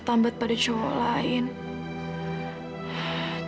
masalahnya aku tidak mencintai wisnu papa